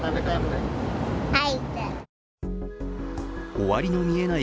終わりの見えない